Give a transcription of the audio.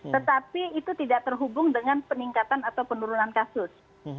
tetapi itu tidak terhubung dengan peningkatan atau penurunan kasus